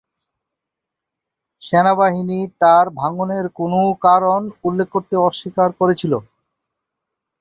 সেনাবাহিনী তার ভাঙ্গনের কোনও কারণ উল্লেখ করতে অস্বীকার করেছিল।